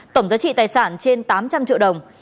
tổng giá trị tài sản trên tám trăm linh triệu đồng